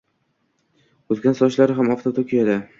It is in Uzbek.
O‘sgan sochlari ham oftobda kuyadi.